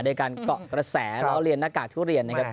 โดยการเกาะกระแสล้อเลียนหน้ากากทุเรียนนะครับ